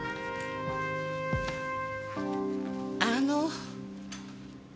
あの。